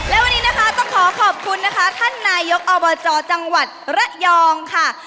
และวันนี้นะคะต้องขอขอบคุณนะคะท่านนายกอบจจังหวัดระยองค่ะ